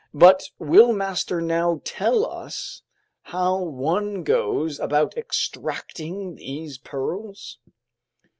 "But will master now tell us how one goes about extracting these pearls?"